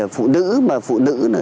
phụ nữ mà phụ nữ